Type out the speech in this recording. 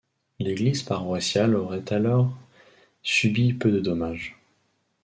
L'église paroissiale aurait alors subi peu de dommages.